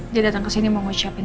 dia datang kesini mau ngucapin